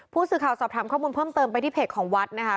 ผู้สื่อข่าวสอบถามข้อมูลเพิ่มเติมไปที่เพจของวัดนะคะ